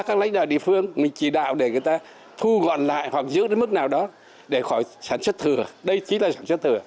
các lãnh đạo địa phương mình chỉ đạo để người ta thu gọn lại hoặc giữ đến mức nào đó để khỏi sản xuất thừa đây chính là sản xuất thừa